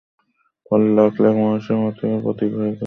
ফলে লাখ লাখ মানুষ মৃত্যুমুখে পতিত হয় এবং এতে মানুষের মনোবল ভেঙ্গে পড়ে।